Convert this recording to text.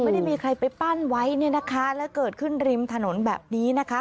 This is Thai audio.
ไม่ได้มีใครไปปั้นไว้เนี่ยนะคะแล้วเกิดขึ้นริมถนนแบบนี้นะคะ